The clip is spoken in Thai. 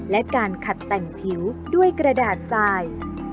และการขัดแต่งผิวด้วยกระดาษทราย